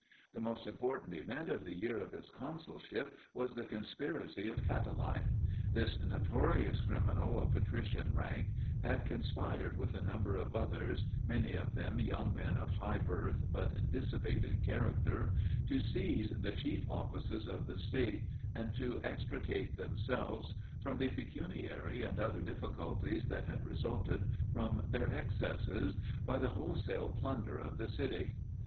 The most important event of the year of his consulship was the conspiracy of Catiline. This notorious criminal of patrician rank had conspired with a number of others, many of them young men of high birth but dissipated character, to seize the chief offices of the state, and to extricate themselves from the pecuniary and other difficulties that had resulted from their excesses, by the wholesale plunder of the city.